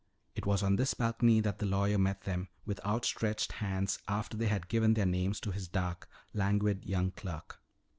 It was on this balcony that the lawyer met them with outstretched hands after they had given their names to his dark, languid young clerk.